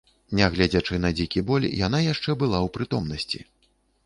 Нягледзячы на дзікі боль, яна яшчэ была ў прытомнасці.